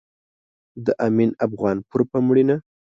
د امين افغانپور په مړينه